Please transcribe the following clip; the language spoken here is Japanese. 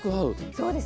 そうですね。